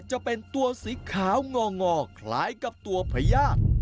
จะเป็นตัวสีขาวงองอคล้ายกับตัวพญาติ